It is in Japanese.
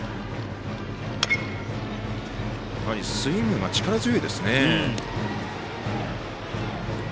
スイングが力強いですね。